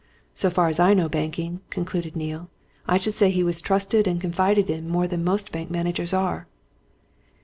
So far as I know banking," concluded Neale, "I should say he was trusted and confided in more than most bank managers are."